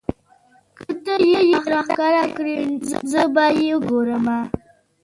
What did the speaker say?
که تۀ یې راښکاره کړې زه به یې وګورمه.